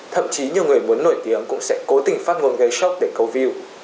thậm chí nhiều người muốn nổi tiếng cũng sẽ cố tình phát ngôn gây sốc để câu view